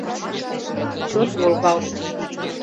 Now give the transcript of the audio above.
Чот волгалт